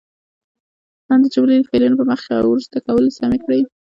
لاندې جملې د فعلونو په مخکې او وروسته کولو سمې کړئ.